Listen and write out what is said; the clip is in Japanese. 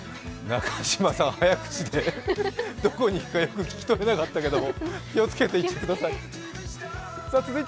中島さん、早口で、どこに行くかよく聞き取れなかったですが、気をつけて行ってください。